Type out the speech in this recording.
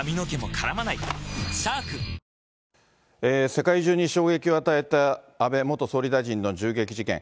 世界中に衝撃を与えた安倍元総理大臣の銃撃事件。